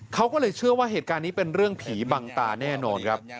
เขาก็เลยเชื่อว่าเหตุการณ์นี้เป็นเรื่องผีบังตาแน่นอนครับ